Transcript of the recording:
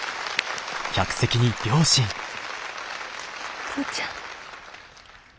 お父ちゃん。